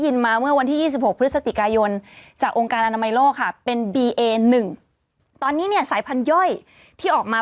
แล้วจะรักษาได้ไหมอ่ะ